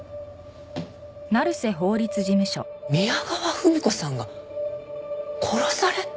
宮川文子さんが殺された？